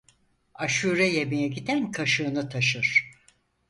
Aşure yemeye giden kaşığını taşır.